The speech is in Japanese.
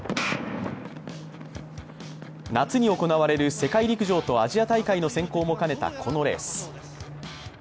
夏に行われる世界陸上とアジア大会の選考も兼ねたこのレース。